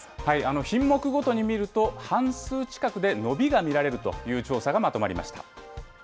品目ごとに見ると、半数近くで伸びが見られるという調査がまとまりました。